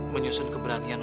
menyusun keberanian untuk